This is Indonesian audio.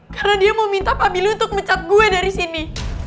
karena dia mau minta pak billy untuk mecat gue dari sini